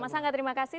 mas angga terima kasih